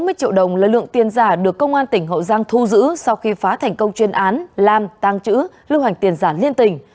bốn mươi triệu đồng là lượng tiền giả được công an tỉnh hậu giang thu giữ sau khi phá thành công chuyên án làm tăng trữ lưu hành tiền giả liên tỉnh